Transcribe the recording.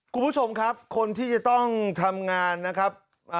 คุณผู้ชมครับคนที่จะต้องทำงานนะครับ